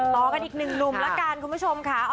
ต่อกันอีกหนึ่งหนุ่มละกันคุณผู้ชมค่ะ